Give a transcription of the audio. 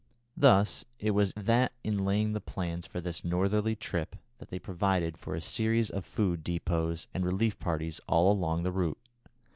Thus it was that in laying the plans for this northerly trip they provided for a series of food depôts and relief parties all along the route.